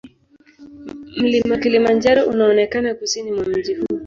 Mlima Kilimanjaro unaonekana kusini mwa mji huu.